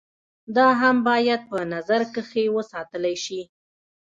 دا هم بايد په نظر کښې وساتلے شي